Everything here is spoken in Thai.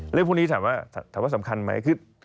เรื่องพวกนี้ถามว่าสำคัญไหม